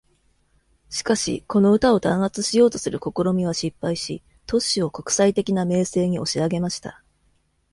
しかし、この歌を弾圧しようとする試みは失敗し、トッシュを国際的な名声に押し上げました。